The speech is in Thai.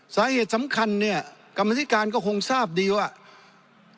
สาเหตุสำคัญเนี่ยกรรมธิการก็คงทราบดีว่า